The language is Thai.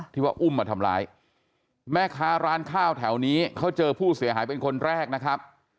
ว่าอุ้มมาทำร้ายแม่ค้าร้านข้าวแถวนี้เขาเจอผู้เสียหายเป็นคนแรกนะครับ